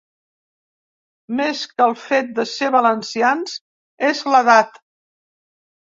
Més que el fet de ser valencians és l'edat.